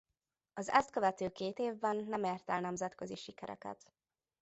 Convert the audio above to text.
Az ezt követő két évben nem ért el nemzetközi sikereket.